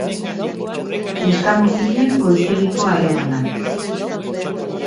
Neska-mutilen goizegiko harremanak.